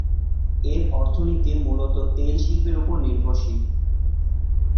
এর অর্থনীতি মূলত তেল শিল্পের উপর নির্ভরশীল।